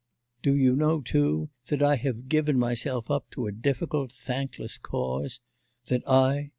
'Do you know, too, that I have given myself up to a difficult, thankless cause, that I...